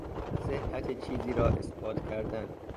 صحت چیزی را اثبات کردن